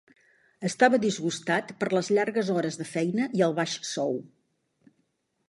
Estava disgustat per les llargues hores de feina i el baix sou.